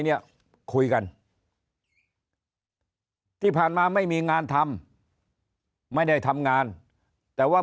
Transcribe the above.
เนี่ยคุยกันที่ผ่านมาไม่มีงานทำไม่ได้ทำงานแต่ว่า